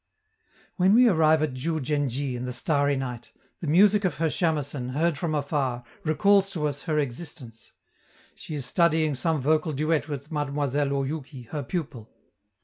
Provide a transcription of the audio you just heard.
When we arrive at Diou djen dji in the starry night, the music of her 'chamecen', heard from afar, recalls to us her existence; she is studying some vocal duet with Mademoiselle Oyouki, her pupil.